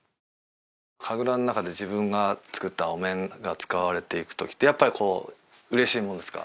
神楽の中で自分が作ったお面が使われていくときってやっぱりこう嬉しいものですか？